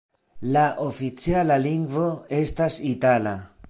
La oficiala lingvo estas itala.